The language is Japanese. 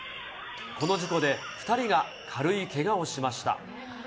この事故で２人が軽いけがをしました。